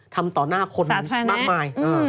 ทำต่อหน้าคนมากมาย